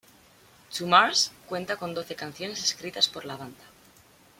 To mars cuenta con doce canciones escritas por la banda.